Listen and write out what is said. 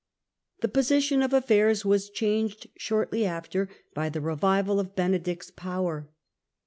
The position of affairs was changed shortly after, by the revival of Benedict's power.